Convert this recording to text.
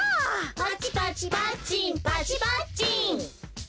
「パチパチパッチンパチ・パッチン」